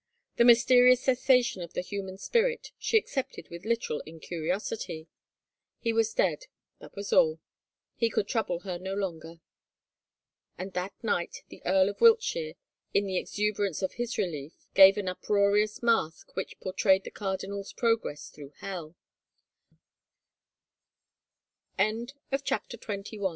The mysterious cessation of the human spirit she accepted with literal incuriosity. He was dead ; that was all. He could trouble her no longer. And that night the Earl of Wiltshire, in the exuber ance of his relief, gave an uproarious masque which por trayed the cardinal'